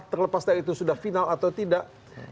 terlepas dari itu sudah final atau tidak